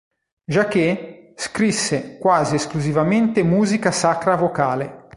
Jacquet scrisse quasi esclusivamente musica sacra vocale.